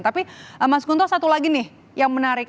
tapi mas gunto satu lagi nih yang menarik